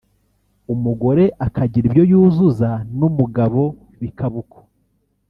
umugore akagira ibyo yuzuza n’umugabo bikaba uko